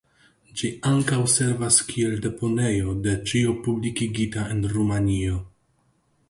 Ĝi ankaŭ servas kiel deponejo de ĉio publikigita en Rumanio.